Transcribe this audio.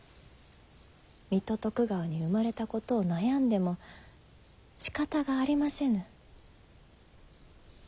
水戸徳川に生まれたことを悩んでもしかたがありませぬ。